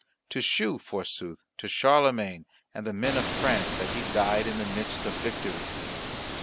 To shew, forsooth, to Charlemagne and the men of France that he died in the midst of victory.